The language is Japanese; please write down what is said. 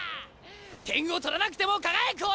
点を取らなくても輝く男！